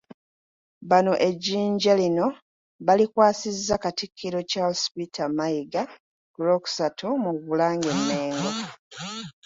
Bano ejjinja lino balikwasizza Katikkiro Charles Peter Mayiga ku Lwokusatu mu Bulange e Mmengo